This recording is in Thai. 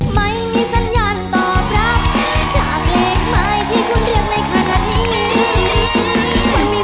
คุณมีแฟนต่อพอทุกที